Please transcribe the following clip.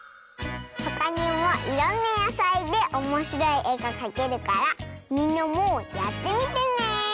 ほかにもいろんなやさいでおもしろいえがかけるからみんなもやってみてね！